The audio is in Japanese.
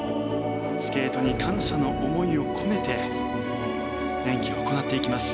スケートに感謝の思いを込めて演技を行っていきます。